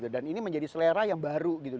dan ini menjadi selera yang baru gitu